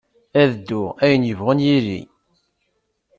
Ad dduɣ, ayen yebɣun yili.